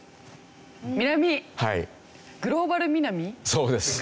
そうです。